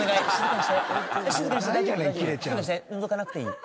のぞかなくていい。